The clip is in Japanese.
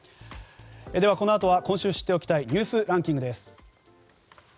このあとは今週知っておきたいニュースランキングです。